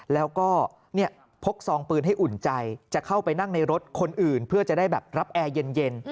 แล้วก็พกซองปืนให้อุ่นใจจะเข้าไปนั่งในรถคนอื่นเพื่อจะได้แบบรับแอร์เย็น